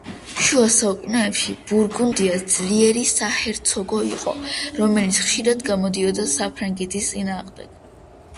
შუა საუკუნეებში ბურგუნდია ძლიერი საჰერცოგო იყო, რომელიც ხშირად გამოდიოდა საფრანგეთის წინააღმდეგ.